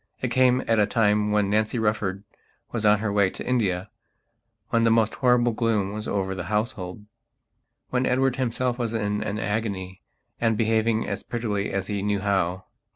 It came at a time when Nancy Rufford was on her way to India; when the most horrible gloom was over the household; when Edward himself was in an agony and behaving as prettily as he knew how.